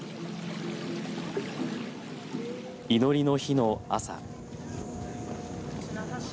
祈りの日の朝。